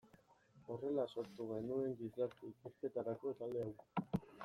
Horrela sortu genuen gizarte ikerketarako talde hau.